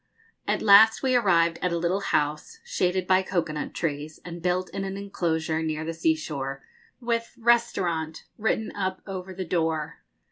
At last we arrived at a little house, shaded by cocoa nut trees, and built in an enclosure near the sea shore, with 'Restaurant' written up over the door.